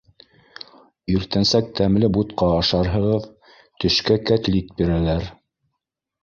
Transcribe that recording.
Иртәнсәк тәмле бутҡа ашарһығыҙ, төшкә кәтлит бирәләр.